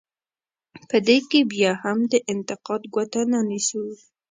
په دې کې بیا هم د انتقاد ګوته نه نیسو.